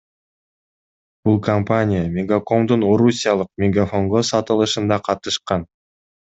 Бул компания Мегакомдун орусиялык Мегафонго сатылышында катышкан.